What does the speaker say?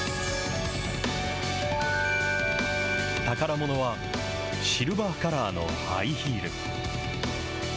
宝ものは、シルバーカラーのハイヒール。